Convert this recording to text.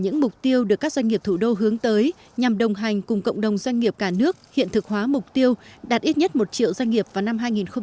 những mục tiêu được các doanh nghiệp thủ đô hướng tới nhằm đồng hành cùng cộng đồng doanh nghiệp cả nước hiện thực hóa mục tiêu đạt ít nhất một triệu doanh nghiệp vào năm hai nghìn hai mươi